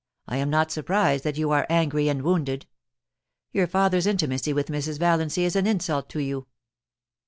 * I am not surprised that you are angry and wounded. Your fat|ik's intimacy with Mrs, Valiancy is an insult to you.'